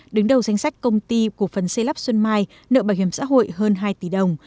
đứng đầu danh sách công ty cổ phần xây lắp xuân mai nợ bảo hiểm xã hội hơn hai tỷ đồng